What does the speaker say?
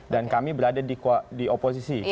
dan kami berada di oposisi